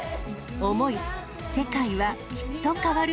想い世界は、きっと変わる。